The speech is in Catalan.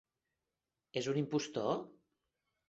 És un impostor?